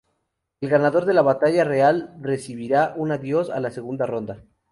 El ganador de la batalla real recibirá un adiós a la segunda ronda.